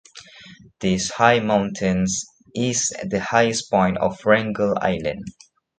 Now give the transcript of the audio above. This high mountain is the highest point of Wrangel Island.